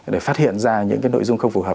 để phát hiện ra những nội dung không phù hợp